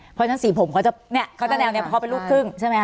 เพราะฉะนั้นสีผมเขานี้ก็เป็นรูปครึ่งใช่มั้ยคะ